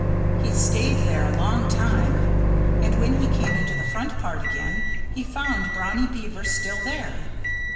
He stayed there a long time. And when he came into the front part again he found Brownie Beaver still there.